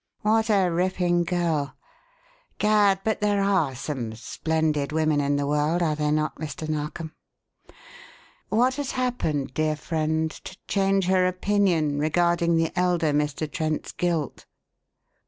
"What a ripping girl! Gad, but there are some splendid women in the world, are there not, Mr. Narkom? What has happened, dear friend, to change her opinion regarding the elder Mr. Trent's guilt?"